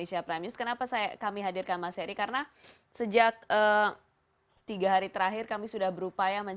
hendrawan setiawan sleman